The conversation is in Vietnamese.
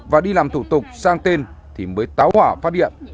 và đi làm thủ tục sang tên thì mới táo hỏa phát điện